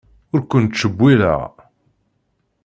Ur kent-ttcewwileɣ.